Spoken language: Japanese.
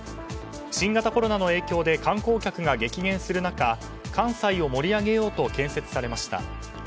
新型コロナの影響で観光客が激減する中関西を盛り上げようと建設されました。